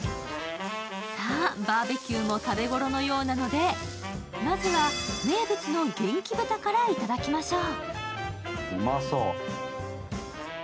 さあ、バーベキューも食べ頃のようなのでまずは名物の元気豚からいただきましょう。